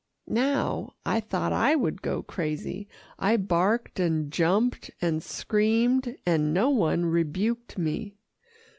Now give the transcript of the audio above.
Now I thought I would go crazy. I barked, and jumped, and screamed, and no one rebuked me.